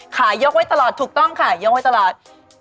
ยกไว้ตลอดถูกต้องค่ะยกไว้ตลอด